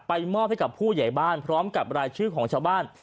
มอบให้กับผู้ใหญ่บ้านพร้อมกับรายชื่อของชาวบ้าน